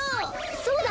そうだ！